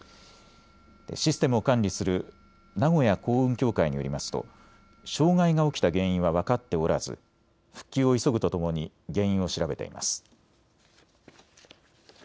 システムを管理する名古屋港運協会によりますと障害が起きた原因は分かっておらず復旧を急ぐとともに原因を調べています。